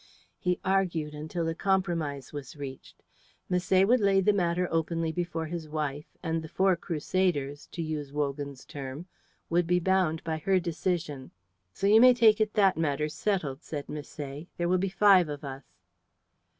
He argued until a compromise was reached. Misset should lay the matter openly before his wife, and the four crusaders, to use Wogan's term, would be bound by her decision. "So you may take it that matter's settled," said Misset. "There will be five of us."